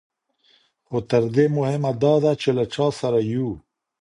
خو تر دې مهمه دا ده چې له چا سره یو.